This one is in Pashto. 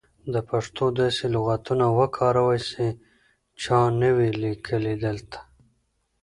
د پښتو داسې لغاتونه وکاروئ سی چا نه وې لیکلي دلته.